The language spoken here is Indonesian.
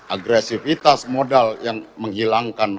agresivitas modal yang menghilangkan